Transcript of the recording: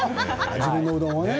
自分のうどんをね。